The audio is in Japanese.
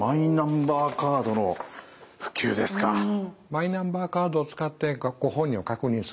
マイナンバーカードを使ってご本人を確認すると。